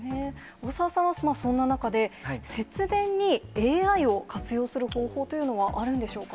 大澤さんは、そんな中で、節電にＡＩを活用する方法というのはあるんでしょうか？